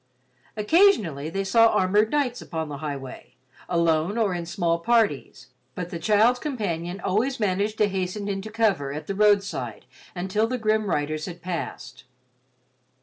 Occasionally they saw armored knights upon the highway, alone or in small parties, but the child's companion always managed to hasten into cover at the road side until the grim riders had passed.